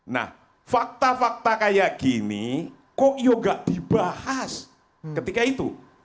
nah fakta fakta kayak gini kok yoga dibahas ketika itu